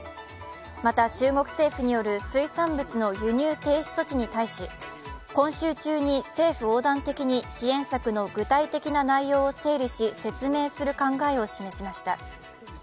また、中国政府による水産物の輸入停止措置に対し、今週中に政府横断的に支援策の具体的な内容を整理し説明する考えを示しました。